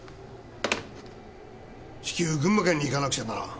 至急群馬県に行かなくちゃならん。